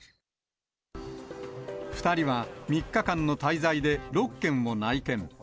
２人は３日間の滞在で６軒を内見。